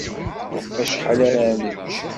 Ɣef wacḥal ara nečč?